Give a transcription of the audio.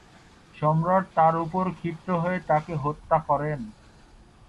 সম্রাট তার উপর ক্ষিপ্ত হয়ে তাকে হত্যা করেন।